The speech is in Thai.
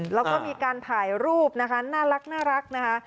แล้วก็มีการถ่ายรูปนะคะน่ารักนะคะ